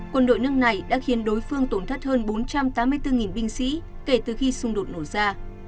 quân đội nước này đã khiến đối phương tổn thất hơn bốn trăm tám mươi bốn binh sĩ kể từ khi xung đột nổ ra